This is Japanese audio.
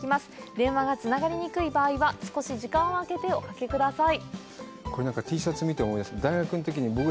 電話がつながりにくい場合は少し時間をあけておかけください。